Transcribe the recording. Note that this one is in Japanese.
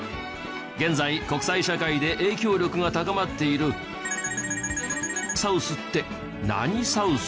現在国際社会で影響力が高まっているサウスって何サウス？